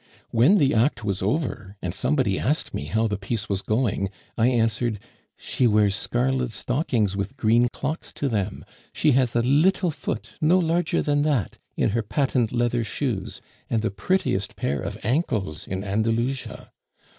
When the act was over, and somebody asked me how the piece was going, I answered, "She wears scarlet stockings with green clocks to them; she has a little foot, no larger than that, in her patent leather shoes, and the prettiest pair of ankles in Andalusia!"